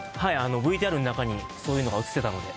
ＶＴＲの中にそういうのが映ってたので。